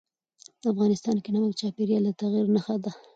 افغانستان کې نمک د چاپېریال د تغیر نښه ده.